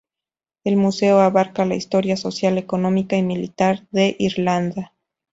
El museo abarca la historia social, económica y militar de Irlanda.